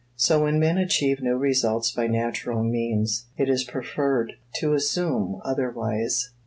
So when men achieve new results by natural means, it is preferred to assume otherwise.